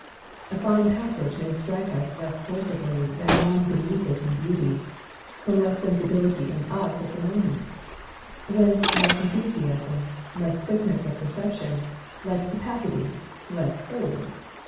A fine passage may strike us less forcibly than one beneath it in beauty, from less sensibility in us at the moment ; whence less enthusiasm, less quickness of perception, less capacity, less hold.